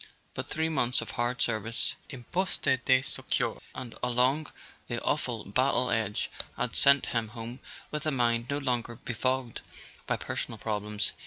But three months of hard service in Postes de Secours and along the aw¬ ful battle edge had sent him home with a mind no longer befogged by personal problems.